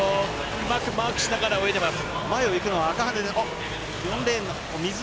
うまくマークしながら泳いでいます。